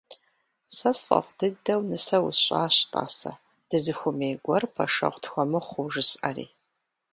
Сэ сфӏэфӏ дыдэу нысэ усщӏащ, тӏасэ, дызыхуэмей гуэр пэшэгъу тхуэмыхъуу жысӏэри.